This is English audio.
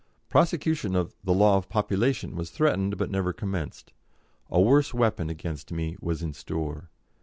Prosecution of the "Law of Population" was threatened, but never commenced; a worse weapon against me was in store.